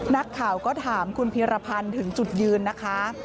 นักข่าวก็ถามคุณพีรพันธ์ถึงจุดยืนนะคะ